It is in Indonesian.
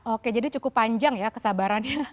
oke jadi cukup panjang ya kesabarannya